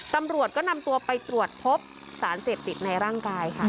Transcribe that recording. ตำรวจก็นำตัวไปตรวจพบสารเสพติดในร่างกายค่ะ